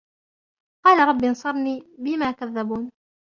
قَالَ رَبِّ انْصُرْنِي بِمَا كَذَّبُونِ